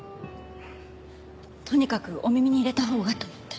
とにかくお耳に入れたほうがと思って。